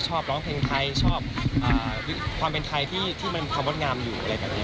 ชอบร้องเพลงไทยชอบความเป็นไทยที่มันความงดงามอยู่อะไรแบบนี้